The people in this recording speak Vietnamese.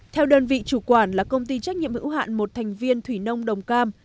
theo đơn vị chủ quản là công ty trách nhiệm hữu hạn một thành viên thủy nông đồng cam